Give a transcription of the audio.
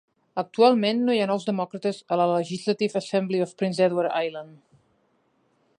Actualment no hi ha nous demòcrates a la "Legislative Assembly of Prince Edward Island".